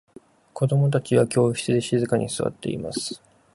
子供達は教室で静かに座っています。